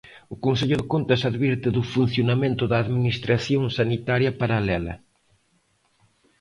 O Consello de Contas advirte do funcionamento da administración sanitaria paralela.